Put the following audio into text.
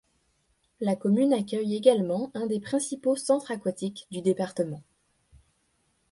La commune accueille également un des principaux centres aquatiques du département.